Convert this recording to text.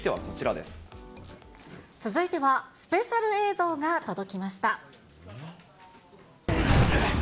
続いてはスペシャル映像が届きました。